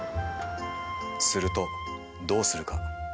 するとどうするか？